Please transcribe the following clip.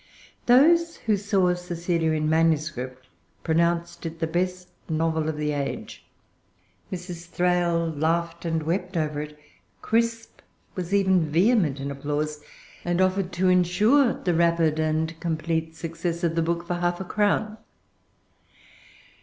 Those who saw Cecilia in manuscript pronounced it the best novel of the age. Mrs. Thrale laughed and wept over it. Crisp was even vehement in applause, and offered to insure the rapid and complete success of[Pg 355] the book for half a crown.